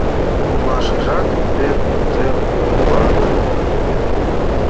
Пурлашыжат вет кузе пурлалыт?